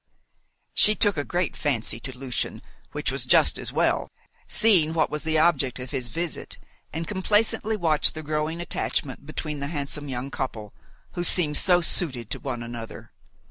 She took a great fancy to Lucian, which was just as well, seeing what was the object of his visit, and complacently watched the growing attachment between the handsome young couple, who seemed so suited to one another.